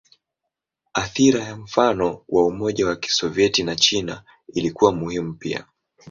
Athira ya mfano wa Umoja wa Kisovyeti na China ilikuwa muhimu pia.